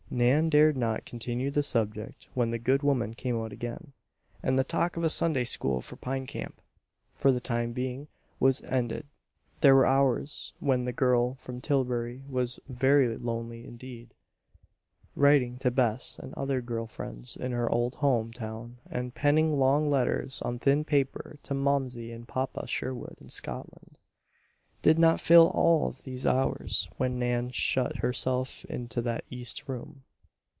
Nan dared not continue the subject when the good woman came out again, and the talk of a Sunday School for Pine Camp, for the time being, was ended. There were hours when the girl from Tillbury was very lonely indeed. Writing to Bess and other girl friends in her old home town and penning long letters on thin paper to Momsey and Papa Sherwood in Scotland, did not fill all of these hours when Nan shut herself into that east room.